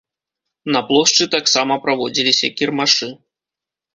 На плошчы таксама праводзіліся кірмашы.